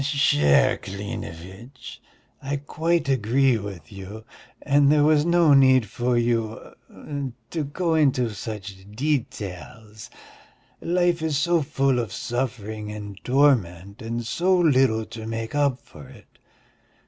"Cher Klinevitch, I quite agree with you, and there was no need for you ... to go into such details. Life is so full of suffering and torment and so little to make up for it